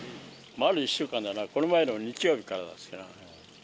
丸１週間だな、この前の日曜日からですから。